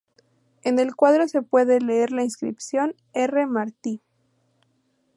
En el cuadro se puede leer la inscripción "R. Martí".